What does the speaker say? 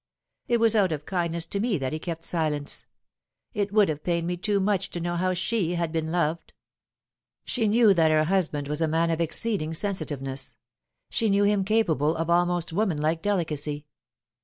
It was out of kindness to me that he kept silence. It would have pained me too much to know how she had been loved." She knew that her husband was a man of exceeding sensitive ness ; she knew him capable of almost woman like delicacy.